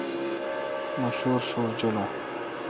مہ شوُرشوُر جولون۔